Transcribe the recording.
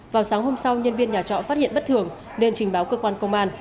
vào sáng hôm sau nhân viên nhà trọ phát hiện bất thường nên trình báo cơ quan công an